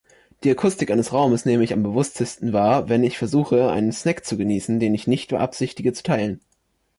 Die Akustik eines Raumes nehme ich am bewusstesten war, wenn ich versuche, einen Snack zu genießen, den ich nicht beabsichtige zu teilen.